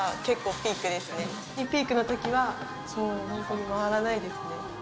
ピークの時はお店が回らないですね。